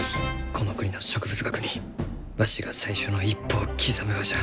この国の植物学にわしが最初の一歩を刻むがじゃ。